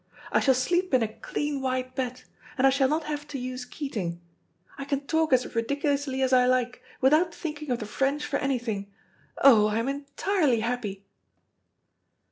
I shall sleep in a clean white bed, and I shall not have to use Keating. I can talk as ridiculously as I like, without thinking of the French for anything. Oh, I'm entirely happy."